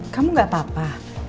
kamu gak apa apa